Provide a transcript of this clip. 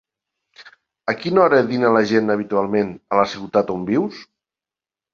A quina hora dina la gent habitualment a la ciutat on vius?